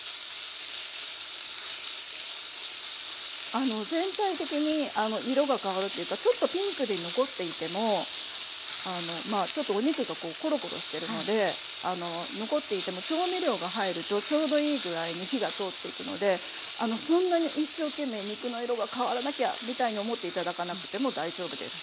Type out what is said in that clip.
あの全体的に色が変わるっていうかちょっとピンクで残っていてもちょっとお肉がコロコロしてるので残っていても調味料が入るとちょうどいい具合に火が通っていくのでそんなに一生懸命肉の色が変わらなきゃみたいに思って頂かなくても大丈夫です。